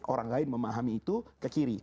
orang lain memahami itu ke kiri